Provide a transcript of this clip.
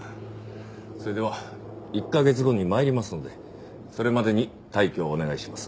それでは１カ月後に参りますのでそれまでに退去をお願いします。